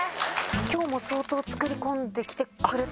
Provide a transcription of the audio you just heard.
今日も相当作り込んできてくれたんですか？